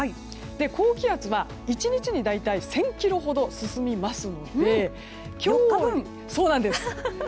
高気圧は１日にだいたい１０００ｋｍほど進みますのでそうなんです